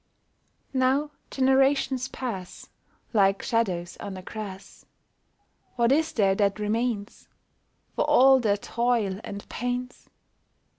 Now generations pass, Like shadows on the grass. What is there that remains For all their toil and pains